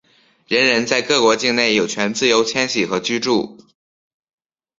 人人在各国境内有权自由迁徙和居住。